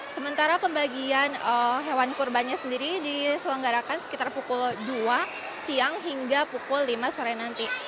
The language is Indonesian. sementara pembagian hewan kurbannya sendiri diselenggarakan sekitar pukul dua siang hingga pukul lima sore nanti